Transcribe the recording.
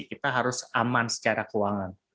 kita harus aman secara keuangan